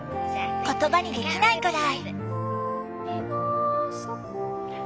言葉にできないくらい。